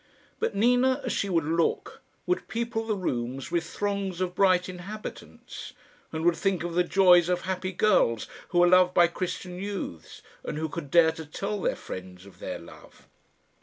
But Nina, as she would look, would people the rooms with throngs of bright inhabitants, and would think of the joys of happy girls who were loved by Christian youths, and who could dare to tell their friends of their love.